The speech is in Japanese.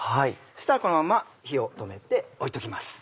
そうしたらこのまま火を止めて置いときます。